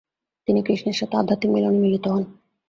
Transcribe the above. তিনি কৃষ্ণের সাথে আধ্যাত্মিক মিলনে মিলিত হন।